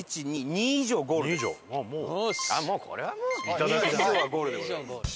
「２」以上がゴールでございます。